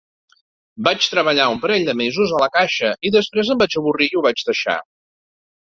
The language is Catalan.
Vaig treballar un parell dels mesos a la caixa i després em vaig avorrir i ho vaig deixar.